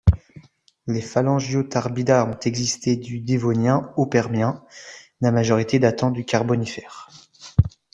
Les Phalangiotarbida ont existé du Dévonien au Permien, la majorité datant du Carbonifère.